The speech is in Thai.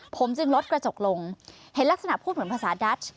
ผมจึงลดกระจกลงเห็นลักษณะพูดเหมือนภาษาดัช